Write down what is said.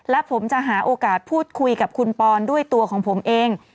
และผมจะหาโอกาสพูดคุยกับคุณปอนด้วยตัวของผมเอง